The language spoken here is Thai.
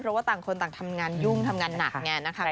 เพราะว่าต่างคนต่างทำงานยุ่งทำงานหนักไงนะคะ